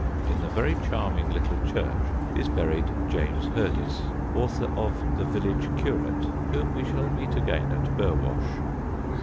In the very charming little church is buried James Hurdis, author of The Village Curate, whom we shall meet again at Burwash.